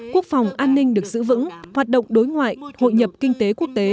quốc phòng an ninh được giữ vững hoạt động đối ngoại hội nhập kinh tế quốc tế